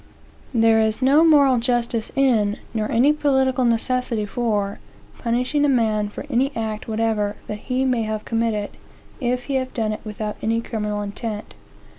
There is no moral justice in, nor any political necessity for, punishing a man for any act whatever that he may have committed, if he have done it without any criminal intent.